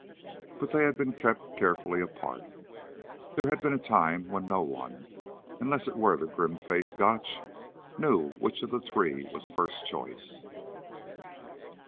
But they had been kept carefully apart. There had been a time when no one unless it were the grim faced Gotch knew which of the three was first choice.